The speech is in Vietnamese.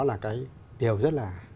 là cái điều rất là